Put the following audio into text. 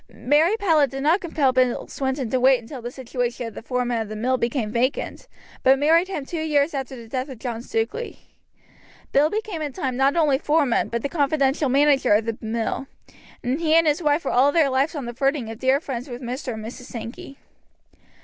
Mary Powlett did not compel Bill Swinton to wait until the situation of foreman of the mill became vacant, but married him two years after the death of John Stukeley. Bill became in time not only foreman but the confidential manager of the mill, and he and his wife were all their lives on the footing of dear friends with Mr. and Mrs. Sankey.